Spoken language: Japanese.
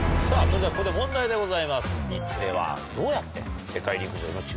それではここで問題でございます。